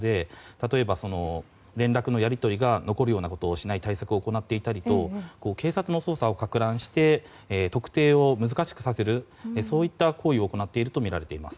例えば、連絡のやり取りが残るようなことをしない対策を行っていたりと警察の捜査をかく乱して特定を難しくさせる行為を行っているとみられています。